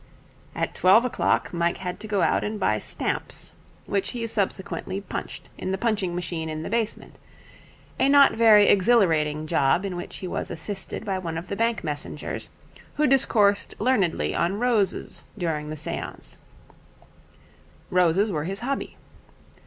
At twelve o'clock Mike had to go out and buy stamps, which he subsequently punched in the punching machine in the basement, a not very exhilarating job in which he was assisted by one of the bank messengers, who discoursed learnedly on roses during the seance. Roses were his hobby.